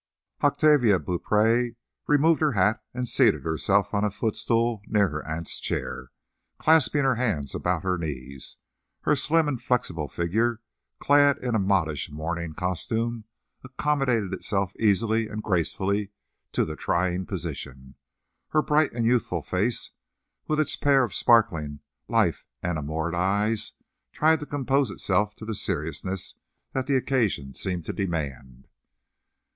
Octavia Beaupree removed her hat and seated herself on a footstool near her aunt's chair, clasping her hands about her knees. Her slim and flexible figure, clad in a modish mourning costume, accommodated itself easily and gracefully to the trying position. Her bright and youthful face, with its pair of sparkling, life enamoured eyes, tried to compose itself to the seriousness that the occasion seemed to demand.